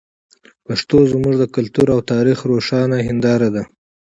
پښتو زموږ د کلتور او تاریخ روښانه هنداره ده.